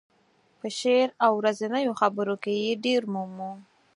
په شعر او ورځنیو خبرو کې یې ډېر مومو.